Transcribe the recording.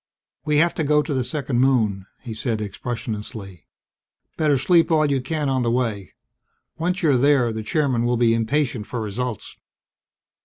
"We have to go to the second moon," he said expressionlessly. "Better sleep all you can on the way. Once you're there, the Chairman will be impatient for results!"